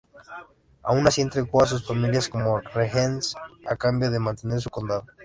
Aun así entregó a sus hijos como rehenes a cambio de mantener su condado.